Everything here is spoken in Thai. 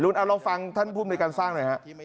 เอาลองฟังท่านภูมิในการสร้างหน่อยฮะ